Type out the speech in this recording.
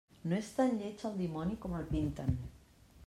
No és tan lleig el dimoni com el pinten.